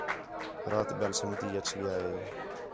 رات ٻِیال سنڳتی اَچ ڳِیا ہِے